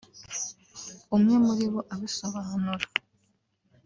umwe muri bo abisobanura